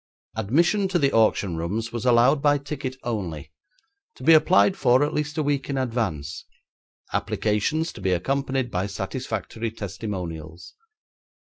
Admission to the auction rooms was allowed by ticket only, to be applied for at least a week in advance, applications to be accompanied by satisfactory testimonials.